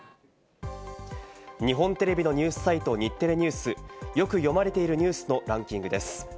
日本テレビのニュースサイト日テレＮＥＷＳ、よく読まれているニュースのランキングです。